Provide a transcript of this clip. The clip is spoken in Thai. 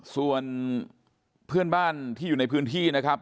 ส่วนเพื่อนบ้านที่อยู่ในพื้นที่นะครับ